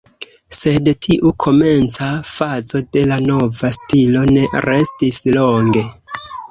Sed tiu komenca fazo de la nova stilo ne restis longe.